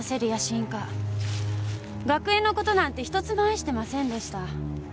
学園の事なんてひとつも愛してませんでした。